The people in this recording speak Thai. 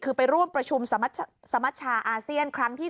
คือไปร่วมประชุมสมัชชาอาเซียนครั้งที่๓